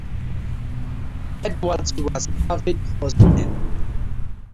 Edwards was avid horseman.